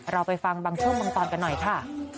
เราไปฟังบางช่วงบางตอนกันหน่อยค่ะ